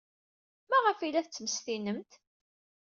Maɣef ay la t-tettmestinemt?